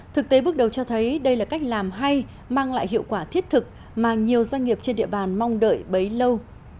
thực tế bước đầu cho thấy đây là cách làm hay mang lại hiệu quả thiết thực mà nhiều doanh nghiệp trên địa bàn mong đợi bấy lâu